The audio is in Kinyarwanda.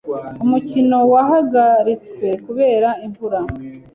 Umukino wahagaritswe kubera imvura.